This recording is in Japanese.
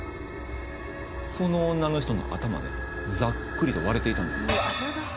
その女の人の頭ねざっくりと割れていたんです。